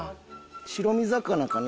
白身魚かな